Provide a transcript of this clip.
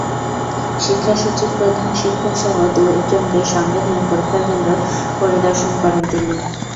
শিক্ষা সচিব, প্রধান শিক্ষকসহ দু-একজনকে সঙ্গে নিয়ে পরীক্ষা কেন্দ্র পরিদর্শন করেন তিনি।